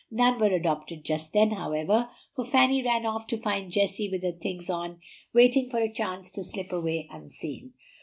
None were adopted just then, however, for Fanny ran off to find Jessie with her things on waiting for a chance to slip away unseen.